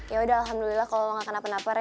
yaudah alhamdulillah kalo lo gak kena penapar ya